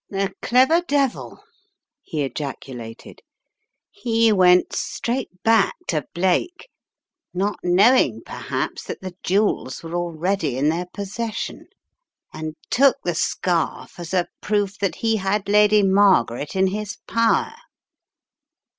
"The clever devil!" he ejaculated. "He went straight back to Blake, not knowing perhaps that the 278 The Riddle of the Purple Emperor jewels were already in their possession and took the scarf as a proof that he had Lady Margaret in his power.